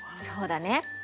そうだね。